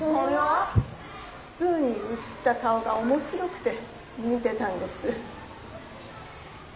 スプーンにうつった顔がおもしろくて見てたんです。